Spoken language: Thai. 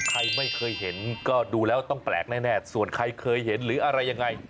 ใครไม่เคยเห็นก็ดูแล้วต้องแปลกแน่ส่วนใครเคยเห็นหรืออะไรยังไง